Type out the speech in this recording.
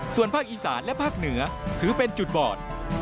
ส่วนภาคอีสานและภาคเหนือถือเป็นจุดบอด